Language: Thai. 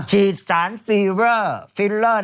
ฉีดสารฟิลเรอร์